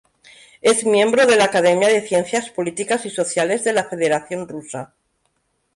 Es miembro de la Academia de Ciencias Políticas y Sociales de la Federación Rusa.